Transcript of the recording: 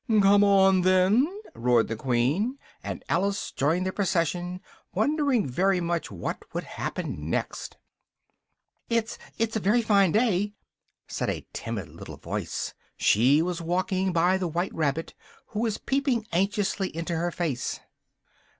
"Come on then!" roared the Queen, and Alice joined the procession, wondering very much what would happen next. "It's it's a very fine day!" said a timid little voice: she was walking by the white rabbit, who was peeping anxiously into her face.